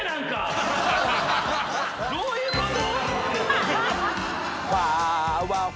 どういうこと？